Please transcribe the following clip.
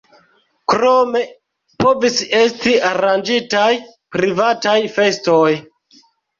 Krome povis esti aranĝitaj privataj festoj.